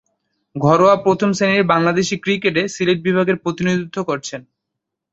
ঘরোয়া প্রথম-শ্রেণীর বাংলাদেশী ক্রিকেটে সিলেট বিভাগের প্রতিনিধিত্ব করছেন।